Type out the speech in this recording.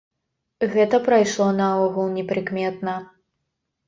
Гэта прайшло наогул непрыкметна.